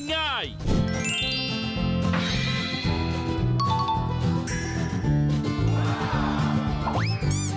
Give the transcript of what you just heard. เยี่ยมมาก